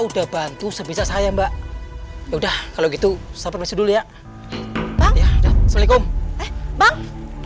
udah bantu sebisa saya mbak yaudah kalau gitu sampai dulu ya ya assalamualaikum bang